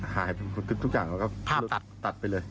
หายไปคือทุกอย่างก็ภาพตัดไปเลย